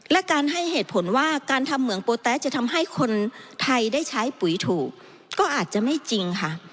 และการให้เหตุผลว่าการทำเหมืองโปแต๊ะจะทำให้คนไทยได้ใช้ปุ๋ยถูกก็อาจจะไม่จริงค่ะ